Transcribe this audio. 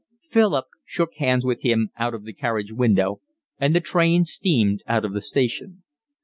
Philip shook hands with him out of the carriage window, and the train steamed out of the station.